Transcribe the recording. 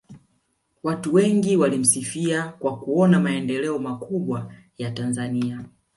watu wengi walimsifia kwa kuona maendeleo makubwa ya tanzania